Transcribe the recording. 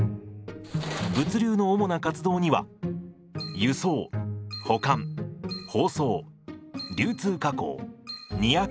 物流の主な活動には輸送保管包装流通加工荷役があります。